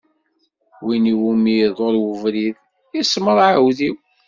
Win iwumi iḍul ubrid, iṣemmeṛ aɛudiw.